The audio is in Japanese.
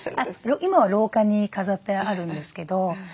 今は廊下に飾ってあるんですけど。